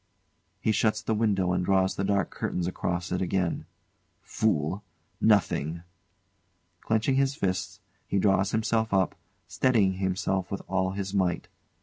[He shuts the window and draws the dark curtains across it again.] Fool! Nothing! [Clenching his fists, he draws himself up, steadying himself with all his might.